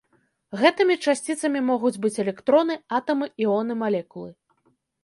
Гэтымі часціцамі могуць быць электроны, атамы, іоны, малекулы.